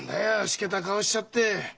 しけた顔しちゃって。